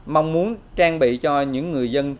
mong muốn trang bị cho những người dân